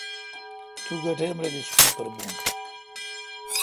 تیس گہ ٹیم رل اسکول پر بون؟